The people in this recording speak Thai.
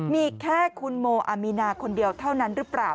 มีแค่คุณโมอามีนาคนเดียวเท่านั้นหรือเปล่า